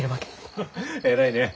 偉いね。